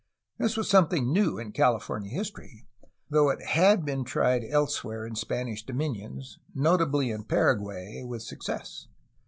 This was something new in California history, though it had been tried elsewhere in Spanish dominions, notably in Para guay, with success.